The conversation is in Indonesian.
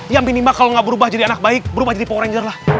ya minima kalau gak berubah jadi anak baik berubah jadi power ranger lah